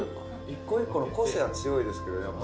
一個一個の個性が強いですけどやっぱ。